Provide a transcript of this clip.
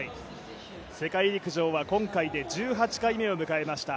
世界陸上は今回で１８回目を迎えました。